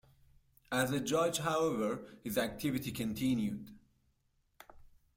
As a judge, however, his activity continued.